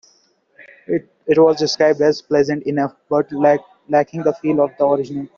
It was described as "pleasant enough" but lacking the feel of the original.